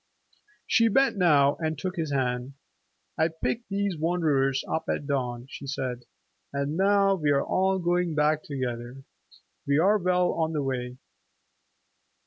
She bent now and took his hand. "I picked these wanderers up at dawn," she said, "and now we are all going back together. We are well on the way."